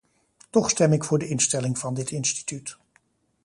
Toch stem ik voor de instelling van dit instituut.